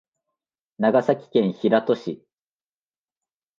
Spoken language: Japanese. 長崎県平戸市